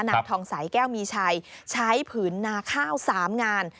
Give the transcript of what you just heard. นางทองใสแก้วมีชัยใช้ผืนนาข้าว๓งาน